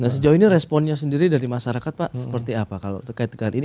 sejauh ini responnya sendiri dari masyarakat pak seperti apa kalau terkait dengan ini